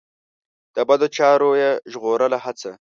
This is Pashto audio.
د بدو چارو یې ژغورلو هڅه.